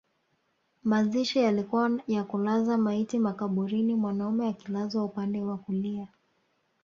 Mazishi yalikuwa ya kulaza maiti makaburini mwanaume akilazwa upande wa kulia